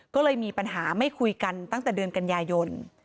ก็เลยมีปัญหาไม่คุยกันตั้งแต่เดือนกันยายน